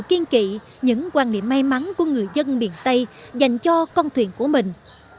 dù kiên kỵ những quan điểm may mắn của người dân miền tây dành cho con thuyền của mình